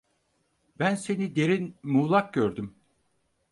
Ben seni derin, muğlak gördüm.